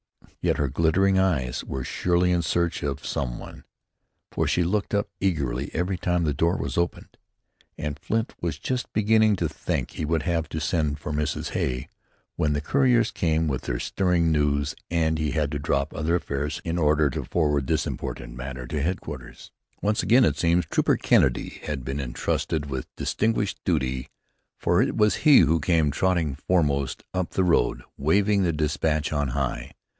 Yet her glittering eyes were surely in search of some one, for she looked up eagerly every time the door was opened, and Flint was just beginning to think he would have to send for Mrs. Hay when the couriers came with their stirring news and he had to drop other affairs in order to forward this important matter to headquarters. Once again, it seems, Trooper Kennedy had been entrusted with distinguished duty, for it was he who came trotting foremost up the road, waving his despatch on high.